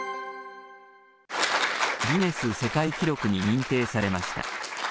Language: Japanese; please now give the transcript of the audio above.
ギネス世界記録に認定されました。